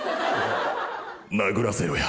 殴らせろや」。